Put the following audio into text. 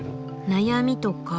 悩みとか。